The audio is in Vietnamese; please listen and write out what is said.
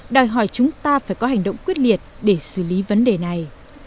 đòi hỏi chúng ta phải có hành động quyết liệt để xử lý vấn đề này